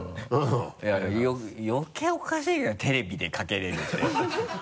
いや余計おかしいけどねテレビでかけれるって。